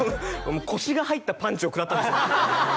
もう腰が入ったパンチを食らったんですよ